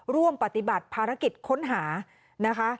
ร่วมปฏิบัติภารกิจค้นหานะคะ